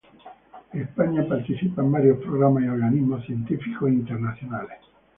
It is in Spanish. España participa en varios programas y organismos científicos internacionales.